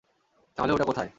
তাহলে ওটা কোথায়?